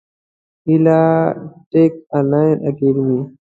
هیله ټېک انلاین اکاډمي